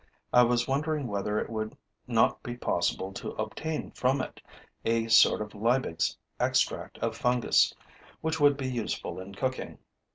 I was wondering whether it would not be possible to obtain from it a sort of Liebig's extract of fungus, which would be useful in cooking.